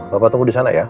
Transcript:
bapak tunggu di sana ya